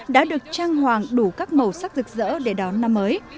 đã được trang hoàng đủ các màu sắc rực rỡ để đón năm mới